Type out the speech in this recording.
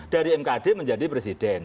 dari mkd menjadi presiden